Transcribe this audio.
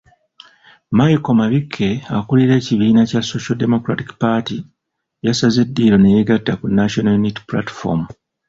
Michael Mabikke akulira ekibiina kya Social Democratic Party yasaze eddiiro ne yeegatta ku National Unity Platform.